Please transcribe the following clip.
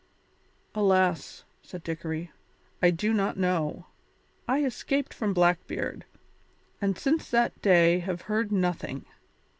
"Alas!" said Dickory, "I do not know. I escaped from Blackbeard, and since that day have heard nothing.